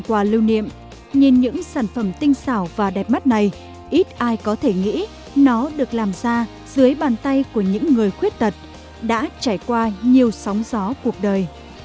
qua lưu niệm nhìn những sản phẩm tinh xảo và đẹp mắt này ít ai có thể nghĩ nó được làm ra dưới bàn tay của những người khuyết tật đã trải qua nhiều sóng gió cuộc đời